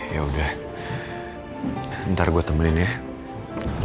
ya udah ntar gue temenin ya